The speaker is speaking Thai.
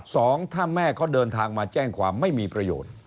สองถ้าแม่เขาเดินทางมาแจ้งความไม่มีประโยชน์